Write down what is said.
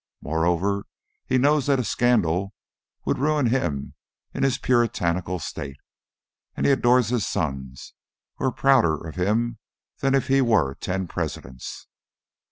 Moreover he knows that a scandal would ruin him in his Puritanical State; and he adores his sons, who are prouder of him than if he were ten Presidents.